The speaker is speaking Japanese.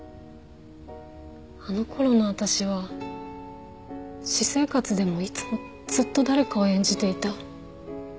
あの頃の私は私生活でもいつもずっと誰かを演じていた。